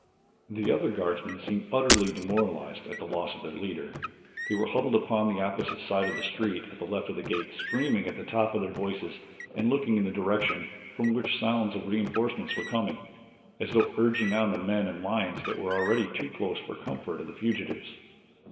The other guardsmen seemed utterly demoralized at the loss of their leader. They were huddled upon the opposite side of the street at the left of the gate, screaming at the tops of their voices and looking in the direction from which sounds of reinforcements were coming, as though urging on the men and lions that were already too close for the comfort of the fugitives.